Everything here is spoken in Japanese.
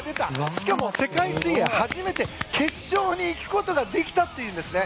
しかも世界水泳初めて決勝に行くことができたというんですね。